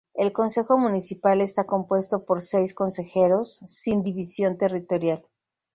El consejo municipal está compuesto por seis consejeros, sin división territorial.